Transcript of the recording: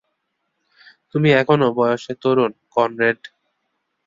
তুমি এখনও বয়সে তরুণ, কনরেড।